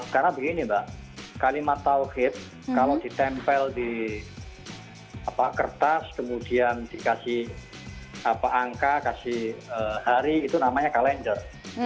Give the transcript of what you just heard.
karena begini mbak kalimat tawhid kalau ditempel di kertas kemudian dikasih angka kasih hari itu namanya kalender